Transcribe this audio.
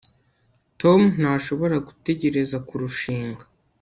tom ntashobora gutegereza kurushinga